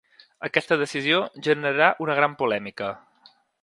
Aquesta decisió generarà una gran polèmica.